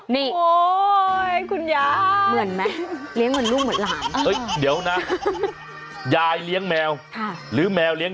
นี่คุณย้ายเหมือนแม่เลี้ยงลูกหมดหลานเดี๋ยวนะยายเลี้ยงแมวหรือแมวเลี้ยง